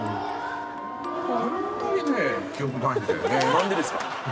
何でですか？